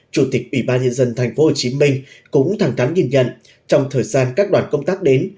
chủ tịch ủy ban nhân dân thành phố hồ chí minh cũng thẳng thắn nhìn nhận trong thời gian các đoàn công tác đến